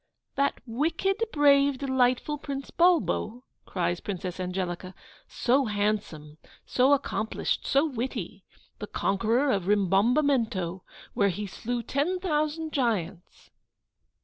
that wicked, brave, delightful Prince Bulbo!' cries Princess Angelica; 'so handsome, so accomplished, so witty the conqueror of Rimbombamento, where he slew ten thousand giants!